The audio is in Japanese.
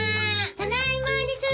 ・ただいまです。